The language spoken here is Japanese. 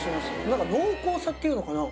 何か濃厚さっていうのかな